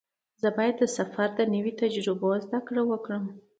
زه باید د سفر له نویو تجربو زده کړه وکړم.